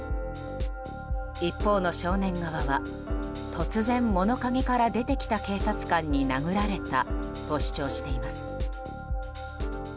一方の少年側は突然、物陰から出てきた警察官に殴られたと主張しています。